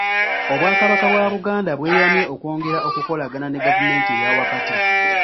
Obwakabaka bwa Buganda bweyamye okwongera okukolagana ne gavumenti eyaawakati .